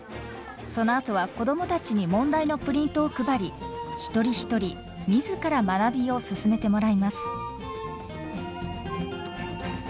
そのあとは子どもたちに問題のプリントを配り一人一人自ら学びを進めてもらいます。